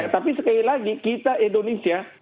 tapi sekali lagi kita indonesia